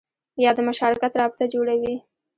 یا د مشارکت رابطه جوړوي